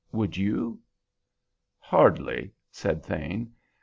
Would you?" "Hardly," said Thane.